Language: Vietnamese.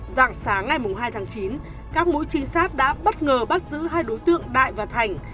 dạng sáng ngày hai tháng chín các mũi trinh sát đã bất ngờ bắt giữ hai đối tượng đại và thành